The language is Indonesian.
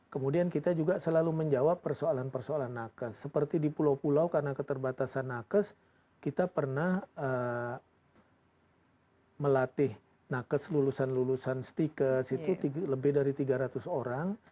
kemudian kita juga selalu menjawab persoalan persoalan nakes seperti di pulau pulau karena keterbatasan nakes kita pernah melatih nakes lulusan lulusan stikers itu lebih dari tiga ratus orang